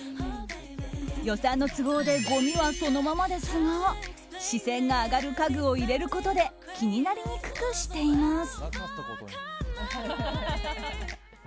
予算の都合でごみはそのままですが視線が上がる家具を入れることで気になりにくくしています。